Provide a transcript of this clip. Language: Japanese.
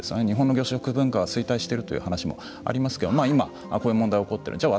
日本の文化は衰退しているという話もありますけれども今こういう問題が起こっている。